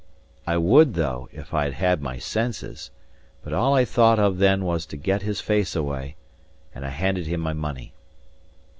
I would, though, if I had had my senses! But all I thought of then was to get his face away, and I handed him my money.